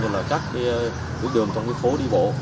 như các đường phố đi bộ